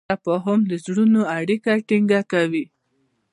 تفاهم د زړونو اړیکه ټینګه کوي.